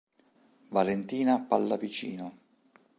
Valentina Pallavicino